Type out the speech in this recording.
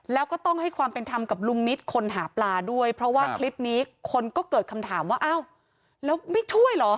แล้วก็ต้องให้ความเป็นธรรมกับลุงนิตคนหาปลาด้วยเพราะว่าคลิปนี้คนก็เกิดคำถามว่าอ้าวแล้วไม่ช่วยเหรอ